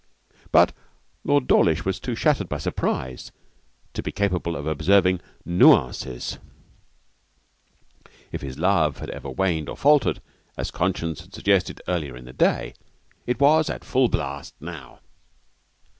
But Lord Dawlish was too shattered by surprise to be capable of observing nuances. If his love had ever waned or faltered, as conscience had suggested earlier in the day, it was at full blast now.